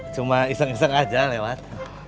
cuma iseng iseng aja lewat